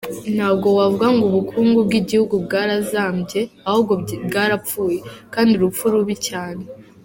Ntabwo wavuga ngo ubukungu bw’igihugu bwarazambye ahubwo bwarapfuye, kandi urupfu rubi cyane !